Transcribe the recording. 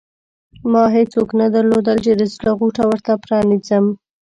ما هېڅوک نه درلودل چې د زړه غوټه ورته پرانېزم.